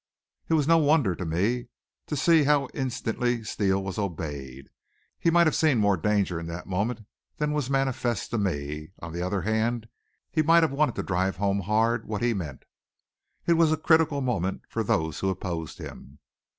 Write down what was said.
It was no wonder to me to see how instantly Steele was obeyed. He might have seen more danger in that moment than was manifest to me; on the other hand he might have wanted to drive home hard what he meant. It was a critical moment for those who opposed him.